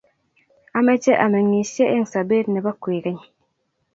ameche ameng'isie eng' sobet nebo kwekeny